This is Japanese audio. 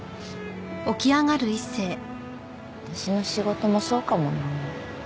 私の仕事もそうかもな。